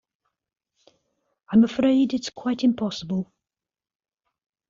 I'm afraid it's quite impossible.